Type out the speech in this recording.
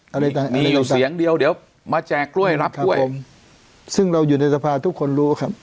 อะไรต่างมีอยู่เสียงเดียวเดี๋ยวมาแจกกล้วยรับกล้วยเองซึ่งเราอยู่ในสภาทุกคนรู้ครับ